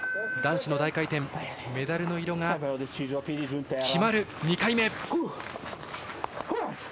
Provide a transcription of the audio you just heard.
男子の大回転メダルの色が決まる２回目。